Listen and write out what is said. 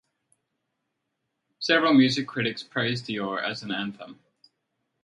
Several music critics praised "Dior" as an anthem.